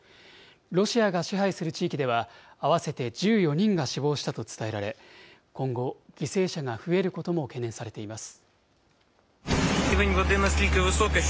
ロシアが支配する地域では、合わせて１４人が死亡したと伝えられ、今後、犠牲者が増えることも懸念されています。